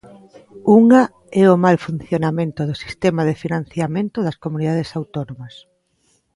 Unha é o mal funcionamento do sistema de financiamento das comunidades autónomas.